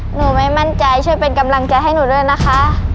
หนูไม่มั่นใจช่วยเป็นกำลังใจให้หนูด้วยนะคะ